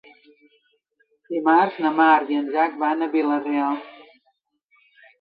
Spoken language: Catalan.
Dimarts na Mar i en Drac van a Vila-real.